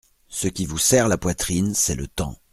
Ce qui vous serre la poitrine, c'est le temps.